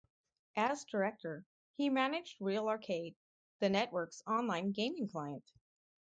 As director, he managed RealArcade, the network's online gaming client.